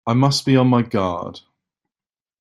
I must be on my guard!